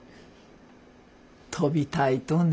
飛びたいとね。